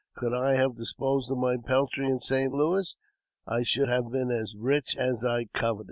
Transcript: Could I have disposed of my peltry in St. Louis, I should have been as rich as I coveted.